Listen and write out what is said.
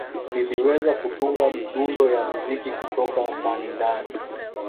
Liliweza kutunga midundo ya muziki kutoka ndanindani